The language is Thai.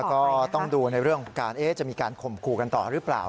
แล้วก็ต้องดูในเรื่องการเอ๊จะมีการคมคู่กันต่อหรือเปล่า